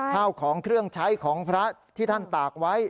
ข้าวของเครื่องใช้ของพระที่ท่านตากไว้